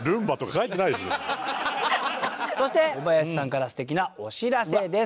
そして小林さんから素敵なお知らせです。